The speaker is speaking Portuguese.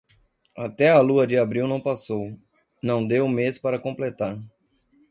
Até a lua de abril não passou, não dê o mês para completar.